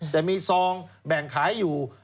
แต่มีซองแบ่งขายอยู่